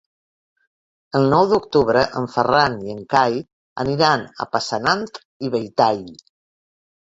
El nou d'octubre en Ferran i en Cai aniran a Passanant i Belltall.